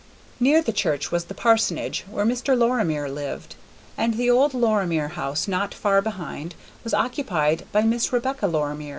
Near the church was the parsonage, where Mr. Lorimer lived, and the old Lorimer house not far beyond was occupied by Miss Rebecca Lorimer.